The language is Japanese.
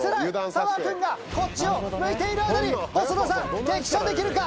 サマーくんがこっちを向いている間に細田さん激写できるか？